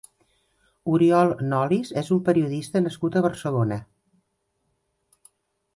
Oriol Nolis és un periodista nascut a Barcelona.